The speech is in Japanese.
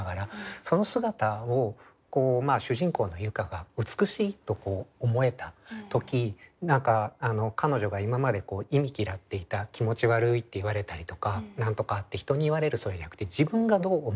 その姿を主人公の結佳が美しいと思えた時彼女が今まで忌み嫌っていた「気持ち悪い」って言われたりとか何とかって人に言われるじゃなくて自分がどう思うのか。